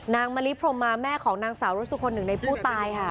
นางมาลิโภมมาแม่ของนางสาวรถสูดคนนึงในผู้ตายค่ะ